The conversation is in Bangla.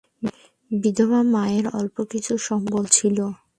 বিধবা মায়ের অল্প কিছু সম্বল ছিল।